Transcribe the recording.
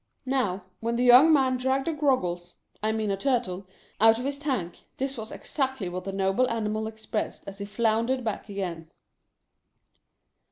Now, when the young man dragged a Groggles — I mean a Turtle — out of his tank, this was exactly what the noble animal expressed as he floundered back again.